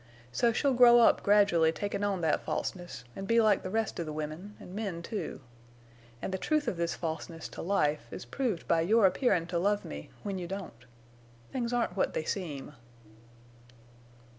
So she'll grow up gradually takin' on that falseness, an' be like the rest of the women, an' men, too. An' the truth of this falseness to life is proved by your appearin' to love me when you don't. Things aren't what they seem."